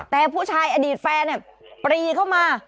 แต่ผู้ชายอดีตแฟนปรีเข้ามา